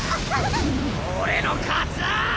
俺の勝ちだ！